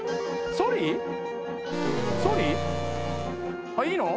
ソリ？いいの？